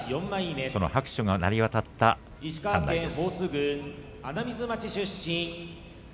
その拍手が鳴り渡った館内です。